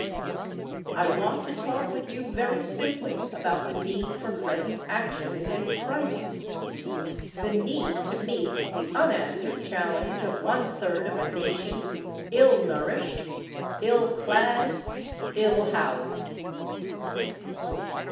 I want to talk with you very simply about the need for present action in this crisis the need to meet the unanswered challenge of one third of a Nation ill nourished, ill clad, ill housed.